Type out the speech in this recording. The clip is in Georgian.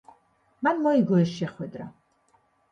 მან მოიგო ეს შეხვედრა.